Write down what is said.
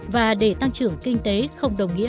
và để tăng trưởng kinh tế không đồng ý